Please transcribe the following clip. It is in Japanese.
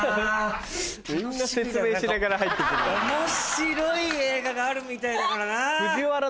面白い映画があるみたいだからな。